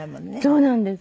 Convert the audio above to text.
そうなんです。